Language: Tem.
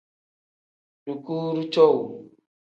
Dukuru cowuu.